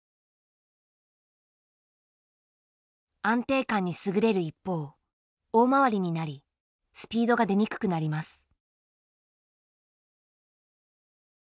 安定感に優れる一方大回りになりスピードが出にくくなります。